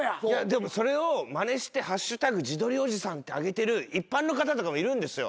でもそれをまねして「＃自撮りおじさん」って上げてる一般の方とかもいるんですよ